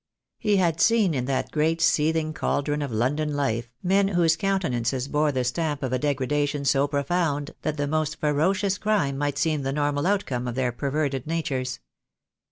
He had seen in that great seething cauldron of London life men whose countenances bore the stamp of a degradation so profound that the most ferocious crime might seem the normal outcome of their perverted natures.